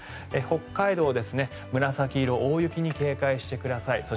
北海道、紫色大雪に警戒してください。